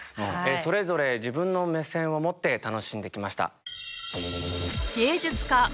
それぞれ自分の目線を持って楽しんできました。